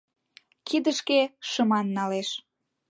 Кидышке шыман налеш